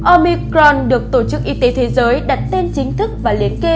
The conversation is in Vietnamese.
omicron được tổ chức y tế thế giới đặt tên chính thức và liệt kê